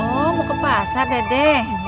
mau ke pasar dede